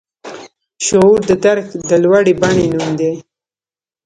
شعور د درک د لوړې بڼې نوم دی.